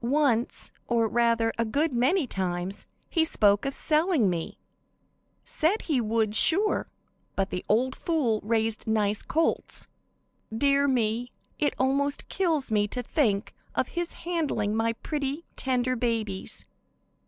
"Once, or rather, a good many times, he spoke of selling me; said he would sure, but 'the old fool' raised nice colts. "Dear me, it almost kills me to think of his handling my pretty, tender babies.